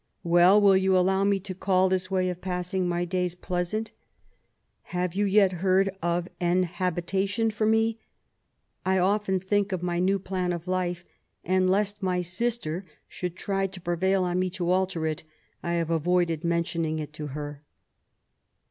Well, will you allow me to call this way of passing my days pleasant ?... Have you yet heard of an habitation for me ? I often think of my new plan of life ; and lest my sister should try to prevail on me to alter it, I have avoided mentioning it to her.